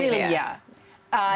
kelompok ini ya